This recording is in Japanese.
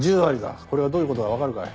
これがどういう事かわかるかい。